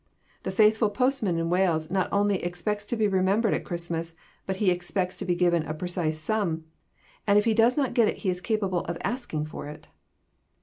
The faithful postman in Wales not only expects to be remembered at Christmas, but he expects to be given a precise sum, and if he does not get it he is capable of asking for it.